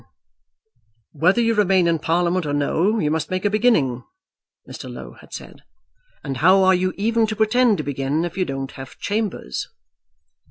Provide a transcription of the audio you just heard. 9. "Whether you remain in Parliament or no, you must make a beginning," Mr. Low had said; "and how are you even to pretend to begin if you don't have chambers?"